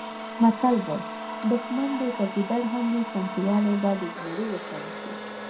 متل دی: دوښمن دې که ګیدړ هم وي چمتوالی به د زمري ورته نیسې.